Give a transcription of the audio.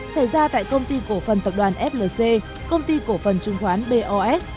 xảy ra tại công ty cổ phần tập đoàn flc công ty cổ phần chứng khoán bos